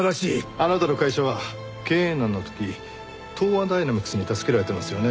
あなたの会社は経営難の時東亜ダイナミクスに助けられてますよね？